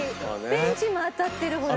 ベンチも当たってるほら。